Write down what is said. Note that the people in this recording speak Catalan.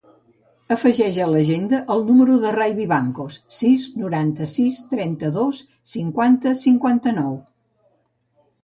Afegeix a l'agenda el número del Rai Vivancos: sis, noranta-sis, trenta-dos, cinquanta, cinquanta-nou.